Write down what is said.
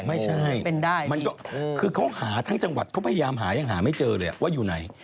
ไม่ใช่มันก็คือเขาหาทั้งจังหวัดเขาพยายามหายังหาไม่เจอเลยว่าอยู่ไหน